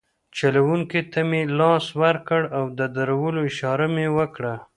چلونکي ته مې لاس ورکړ او د درولو اشاره مې وکړه.